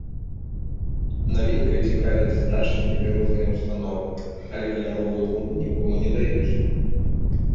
Навінкай цікавяцца дачнікі ды розныя ўстановы, але каляровую бульбу нікому не даюць.